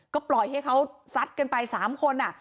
ก็ปล่อยให้เขาซัดกันไป๓คน